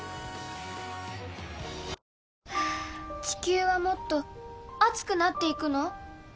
地球はもっと熱くなっていくの？